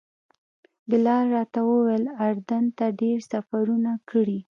بلال راته وویل اردن ته ډېر سفرونه کړي.